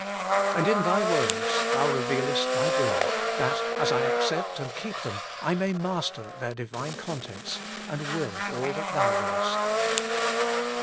And in Thy words Thou revealest Thy will, that as I accept and keep them I may master their Divine contents, and will all that Thou wiliest.